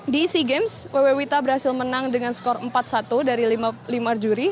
di sea games pw wita berhasil menang dengan skor empat satu dari lima juri